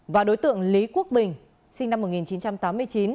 và đối tượng lý quốc bình sinh năm một nghìn chín trăm tám mươi chín